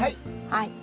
はい。